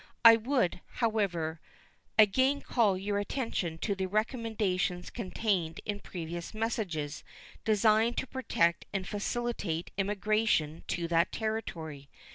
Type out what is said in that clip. I would, however, again call your attention to the recommendations contained in previous messages designed to protect and facilitate emigration to that Territory.